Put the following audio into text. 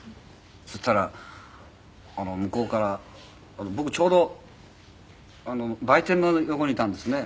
そしたら向こうから僕ちょうど売店の横にいたんですね。